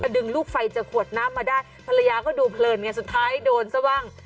ดึงลูกไฟจากขวดน้ำมาได้ภรรยาก็ดูเพลินไงสุดท้ายโดนซะว่าง